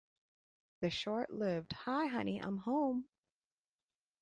The short-lived Hi Honey, I'm Home!